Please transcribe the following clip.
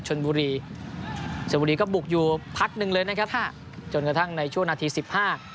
ชนบุรีชนบุรีก็บุกอยู่พักหนึ่งเลยนะครับค่ะจนกระทั่งในช่วงนาทีสิบห้า